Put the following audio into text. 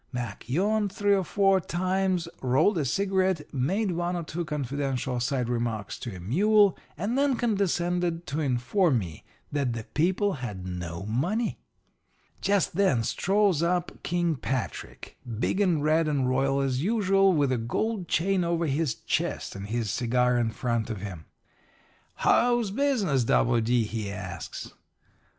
Mac yawned three or four times, rolled a cigarette, made one or two confidential side remarks to a mule, and then condescended to inform me that the people had no money. "Just then up strolls King Patrick, big and red 'and royal as usual, with the gold chain over his chest and his cigar in front of him. "'How's business, W. D.?' he asks.